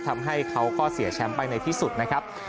ทำให้เขาก็เสียแชมป์ไปในที่สุดนะครับ